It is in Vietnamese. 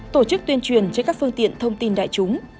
tổ chức tuyên truyền trên các phương tiện thông tin đại chúng